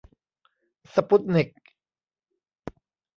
สปุตนิก